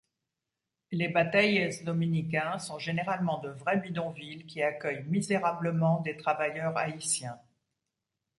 Les bateyes dominicains sont généralement de vrais bidonvilles qui accueillent misérablement des travailleurs haïtiens.